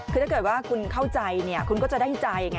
คือถ้าเกิดว่าคุณเข้าใจคุณก็จะได้ใจไง